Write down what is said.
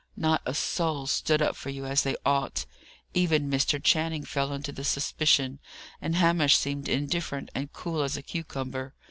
Not a soul stood up for you as they ought! Even Mr. Channing fell into the suspicion, and Hamish seemed indifferent and cool as a cucumber.